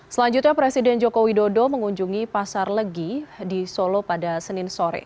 selanjutnya presiden joko widodo mengunjungi pasar legi di solo pada senin sore